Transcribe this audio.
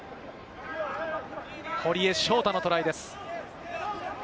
堀江翔太のトライです。